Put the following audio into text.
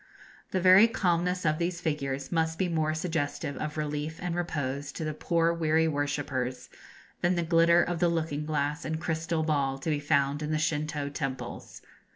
The very calmness of these figures must be more suggestive of relief and repose to the poor weary worshippers than the glitter of the looking glass and crystal ball to be found in the Shintoo temples.